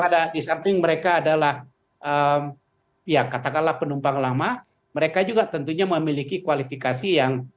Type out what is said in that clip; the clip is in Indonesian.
ada di samping mereka adalah ya katakanlah penumpang lama mereka juga tentunya memiliki kualifikasi yang